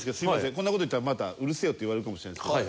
こんな事言ったらまたうるせえよって言われるかもしれないんですけど。